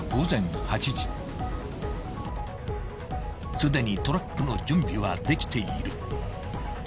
［すでにトラックの準備はできている］